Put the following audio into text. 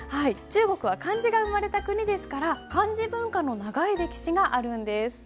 中国は漢字が生まれた国ですから漢字文化の長い歴史があるんです。